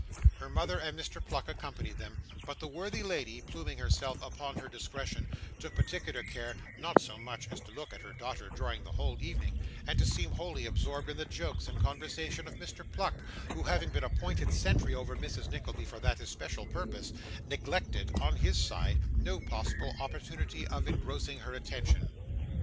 Her mother and Mr. Pluck accompanied them, but the worthy lady, pluming herself upon her discretion, took particular care not so much as to look at her daughter during the whole evening, and to seem wholly absorbed in the jokes and conversation of Mr. Pluck, who, having been appointed sentry over Mrs Nickleby for that especial purpose, neglected, on his side, no possible opportunity of engrossing her attention.